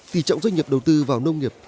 tỷ trọng doanh nghiệp đầu tư vào nông nghiệp